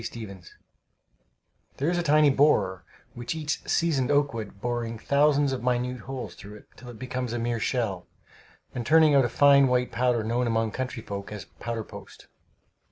Stephens There is a tiny borer which eats seasoned oak wood, boring thousands of minute holes through it till it becomes a mere shell, and turning out a fine white powder known among country folk as "powder post."